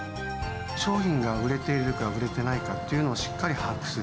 商品が売れているか売れてないかというのをしっかり把握する。